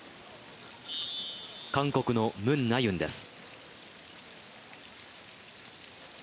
韓国のムン・ナユンです。